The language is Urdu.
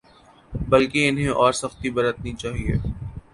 بلکہ انہیں اور سختی برتنی چاہیے۔